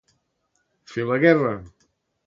Fer la guerra.